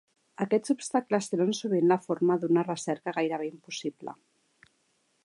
Aquests obstacles tenen sovint la forma d'una recerca gairebé impossible.